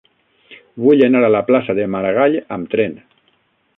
Vull anar a la plaça de Maragall amb tren.